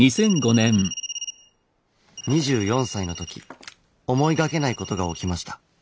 ２４歳の時思いがけないことが起きました。